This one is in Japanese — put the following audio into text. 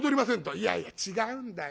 「いやいや違うんだよ。